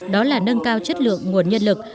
đó là nâng cao chất lượng nguồn nhân lực